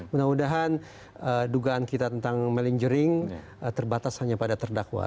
mudah mudahan dugaan kita tentang melinggering terbatas hanya pada terdakwa